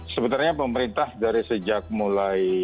sebenarnya pemerintah dari sejak mulai